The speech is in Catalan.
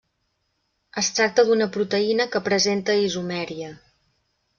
Es tracta d'una proteïna que presenta isomeria.